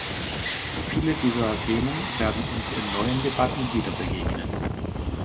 Viele dieser Themen werden uns in neuen Debatten wiederbegegnen.